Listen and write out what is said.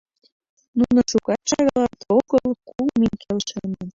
Нуно шукат-шагалат огыл — кум ий келшеныт.